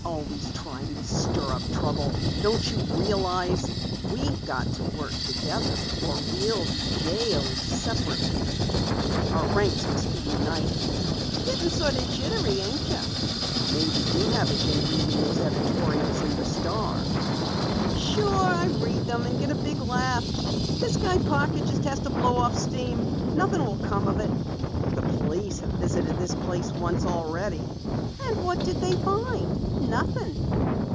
"Always trying to stir up trouble. Don't you realize we've got to work together or we'll be jailed separately? Our ranks must be united." "Gettin' sort of jittery, ain't you?" "Maybe you haven't been reading those editorials in the Star." "Sure, I read them and get a big laugh. This guy Parker has to blow off steam. Nothing will come of it." "The police have visited this place once already." "And what did they find? Nothing."